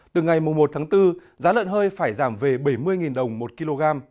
từ ngày một tháng bốn giá lợn hơi phải giảm về bảy mươi đồng một kg